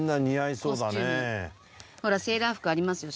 ほらセーラー服ありますよ